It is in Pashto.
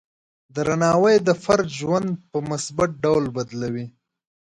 درناوی د فرد ژوند په مثبت ډول بدلوي.